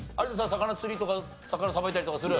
魚釣りとか魚さばいたりとかする？